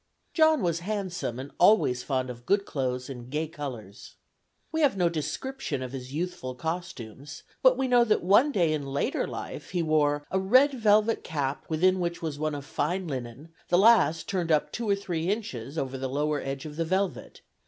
John was handsome and always fond of good clothes and gay colors. We have no description of his youthful costumes, but we know that one day in later life he wore "a red velvet cap within which was one of fine linen, the last turned up two or three inches over the lower edge of the velvet.